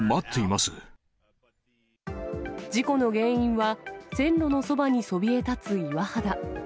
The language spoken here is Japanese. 事故の原因は、線路のそばにそびえたつ岩肌。